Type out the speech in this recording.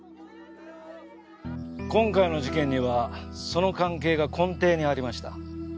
今回の事件にはその関係が根底にありました。